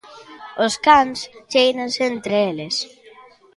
Os cans chéiranse entre eles.